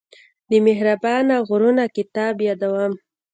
د مهربانه غرونه کتاب يادوم.